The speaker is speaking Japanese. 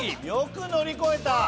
よく乗り越えた！